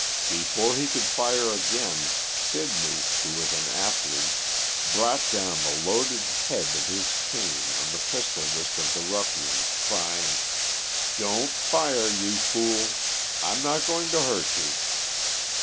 Before he could fire again, Sidney, who was an athlete, brought down the loaded head of his cane on the pistol wrist of the ruffian, crying "Don't fire, you fool, I'm not going to hurt you!"